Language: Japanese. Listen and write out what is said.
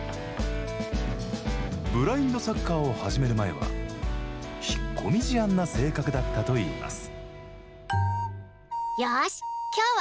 ブラインドサッカーを始める前は引っ込み思案な性格だったといいます。